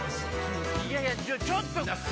いやいやちょっと。